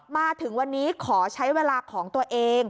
มาถึงวันนี้ขอใช้เวลาของตัวเอง